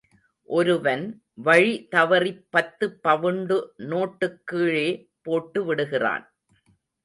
ஒருவன் வழி தவறிப் பத்து பவுண்டு நோட்டுக் கீழே போட்டுவிடுகிறான்.